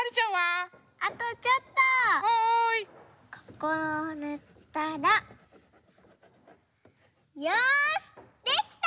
ここをぬったらよしできた！